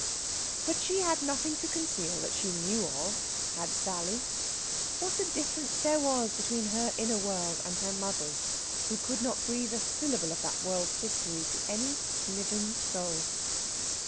But she had nothing to conceal that she knew of, had Sally. What a difference there was between her inner world and her mother's, who could not breathe a syllable of that world's history to any living soul!